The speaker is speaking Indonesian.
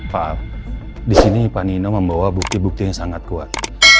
pak al disini pak nino membawa bukti bukti yang sangat kuat